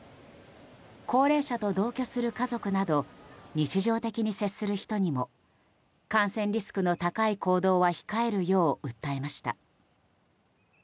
高齢者と同居する家族など日常的に接する人にも感染リスクの高い行動は控えるよう訴えました。